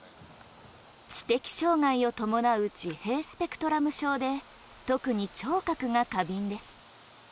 知的障害を伴う自閉スペクトラム症で特に聴覚が過敏です。